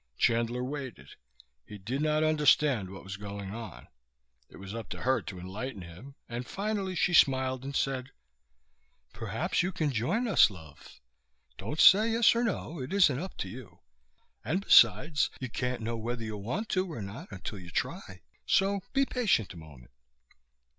Chandler waited. He did not understand what was going on. It was up to her to enlighten him, and finally she smiled and said: "Perhaps you can join us, love. Don't say yes or no. It isn't up to you ... and besides you can't know whether you want it or not until you try. So be patient a moment."